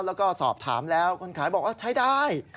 แล้วก็สอบถามแล้วคนขายบอกว่าใช้ได้